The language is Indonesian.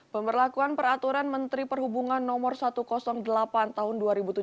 pemberlakuan peraturan menteri perhubungan no satu ratus delapan tahun dua ribu tujuh belas